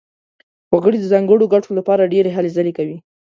وګړي د ځانګړو ګټو لپاره ډېرې هلې ځلې کوي.